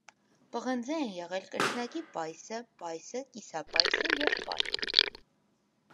Պղնձե են եղել կրկնակի պայսը, պայսը, կիսապայսը և պայը։